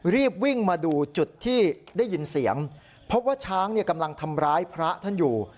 รีบวิ่งมาดูจุดที่ได้ยินเสียงพบว่าช้างกำลังทำร้ายพระท่านอยู่